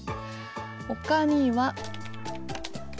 ほかには。